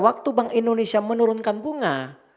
waktu bank indonesia menurunkan bunga